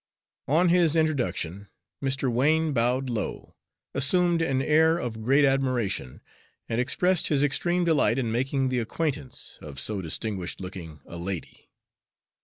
On his introduction Mr. Wain bowed low, assumed an air of great admiration, and expressed his extreme delight in making the acquaintance of so distinguished looking a lady.